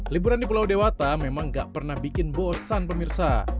liburan di pulau dewata memang gak pernah bikin bosan pemirsa